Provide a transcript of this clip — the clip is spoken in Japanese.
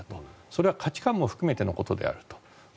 それは価値観も含めてのことであると。